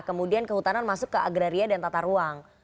kemudian kehutanan masuk ke agraria dan tata ruang